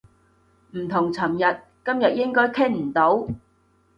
唔同尋日，今日應該傾唔到